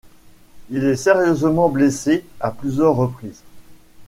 Il est sérieusement blessé à plusieurs reprises.